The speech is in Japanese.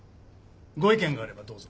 ご意見があればどうぞ。